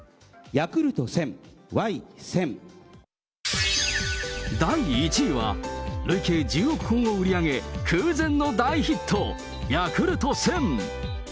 ヤクルト１０００、第１位は、累計１０億本を売り上げ、空前の大ヒット、ヤクルト１０００。